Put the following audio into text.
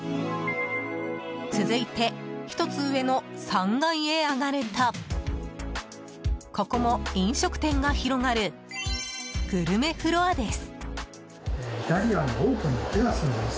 続いて、１つ上の３階へ上がるとここも飲食店が広がるグルメフロアです。